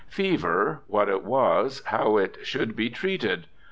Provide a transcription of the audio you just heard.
Fever, what it was, how it should be treated.